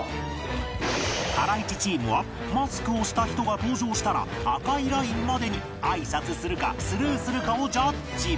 ハライチチームはマスクをした人が登場したら赤いラインまでに挨拶するかスルーするかをジャッジ